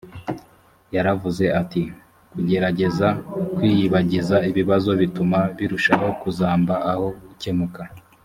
yaravuze ati “kugerageza kwiyibagiza ibibazo bituma birushaho kuzamba aho gukemuka”